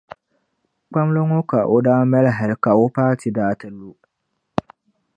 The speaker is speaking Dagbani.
kpamli ŋɔ ka o daa mali hali ka o paati daa ti lu.